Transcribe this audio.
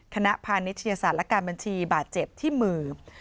คณะพานิชยศาสตร์และการบัญชีบาดเจ็บที่มือ